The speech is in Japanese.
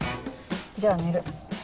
じゃあ寝る。